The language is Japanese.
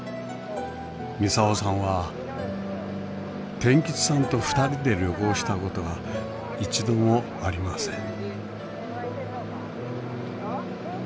操さんは天吉さんと２人で旅行した事が一度もありません。